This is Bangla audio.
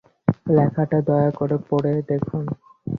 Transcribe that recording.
লেখাটা দয়া করে পড়ে দেখুন।